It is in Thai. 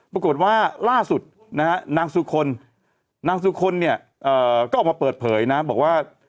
ปรากฏว่าล่าสุดนะฮะนางสุคลนางสุคลเนี่ยก็ออกมาเปิดเผยนะบอกว่า